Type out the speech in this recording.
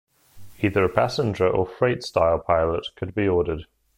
Either a passenger or freight style pilot could be ordered.